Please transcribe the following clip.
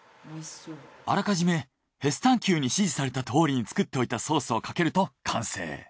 あらかじめヘスタンキューに指示されたとおりに作っておいたソースをかけると完成。